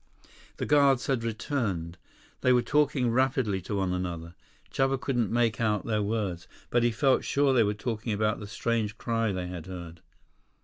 The guards had returned. They were talking rapidly to one another. Chuba couldn't make out their words, but he felt sure they were talking about the strange cry they had heard.